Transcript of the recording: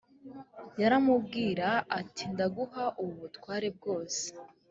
yaramubwira ati ndaguha ubu butware bwose.